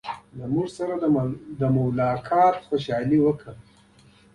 زموږ سره د ملاقات خوښي وکړه.